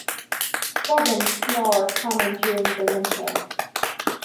Fog and snow are common during the winter.